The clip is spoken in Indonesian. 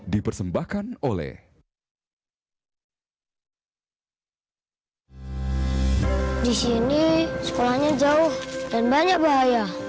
di sini sekolahnya jauh dan banyak bahaya